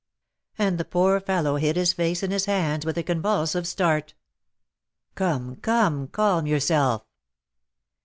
And the poor fellow hid his face in his hands with a convulsive start. "Come, come, calm yourself."